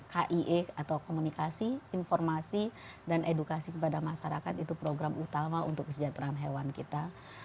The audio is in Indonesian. kie atau komunikasi informasi dan edukasi kepada masyarakat itu program utama untuk kesejahteraan hewan kita